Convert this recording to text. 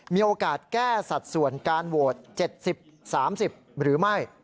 มีโอกาสแก้สัดส่วนการโหวต๗๐๓๐หรือไม่